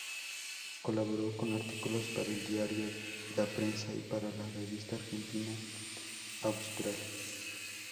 Colaboró con artículos para el diario "La Prensa" y para la revista "Argentina Austral".